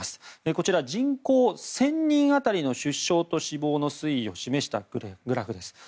こちら人口１０００人当たりの出生と死亡の推移を示したグラフです。